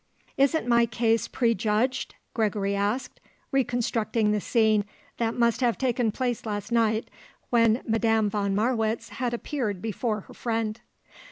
"Isn't my case prejudged?" Gregory asked, reconstructing the scene that must have taken place last night when Madame von Marwitz had appeared before her friend.